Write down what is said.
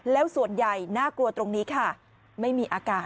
แล้วส่วนใหญ่น่ากลัวตรงนี้ครับ